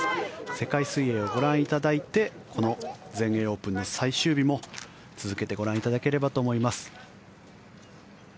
世界水泳をご覧いただいてこの全英オープンの最終日も続けてご覧いただければと思います。